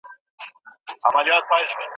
تر لمسیو کړوسیو مو بسیږي